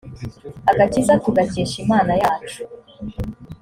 agakiza tugakesha imana yacu